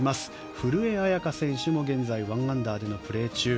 古江彩佳選手も現在１アンダーでプレー中。